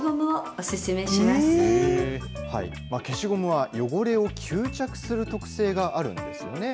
消しゴムは汚れを吸着する特性があるんですよね。